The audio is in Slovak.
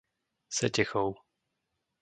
Setechov